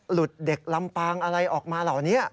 เด็กลำปางอะไรออกมาเหล่านี้